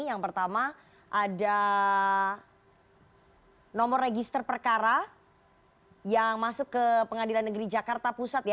yang pertama ada nomor register perkara yang masuk ke pengadilan negeri jakarta pusat